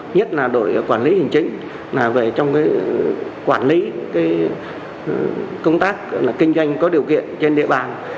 nhất là đội quản lý hình chính quản lý công tác kinh doanh có điều kiện trên địa bàn